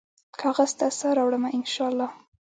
کاغذ ته سا راوړمه ، ان شا الله